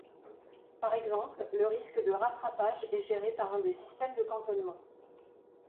Par exemple le risque de rattrapage est géré par un des systèmes de cantonnement.